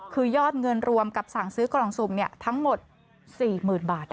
คือยอดเงินรวมกับสั่งซื้อกล่องสุ่มทั้งหมด๔๐๐๐บาท